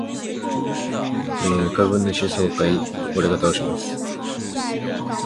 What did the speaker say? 楼主你好：欢迎使用百度贴吧单机版！您所看到的回复，皆是由本服务器根据人性化的设计制作的